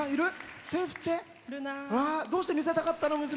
どうして見せたかったの？